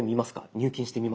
入金してみますか？